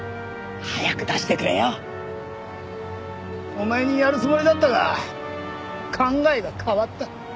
お前にやるつもりだったが考えが変わった。